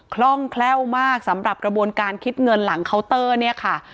คล่องแคล่วมากสำหรับกระบวนการคิดเงินหลังเคาน์เตอร์เนี่ยค่ะ